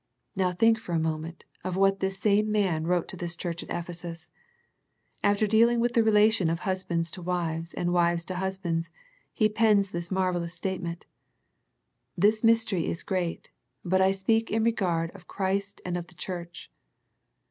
Now think for a mo ment of what this same man wrote to this church at Ephesus. After dealing with the relation of husbands to wives, and wives to husbands, he pens this marvellous statement, " This mystery is great : but I speak in regard of Christ and of the Church."